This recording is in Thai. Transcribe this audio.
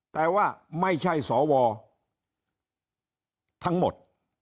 แต่ว่าไม่ใช่สวทั้งหมด